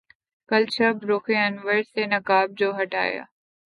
کل شب رخ انور سے نقاب جو ہٹایا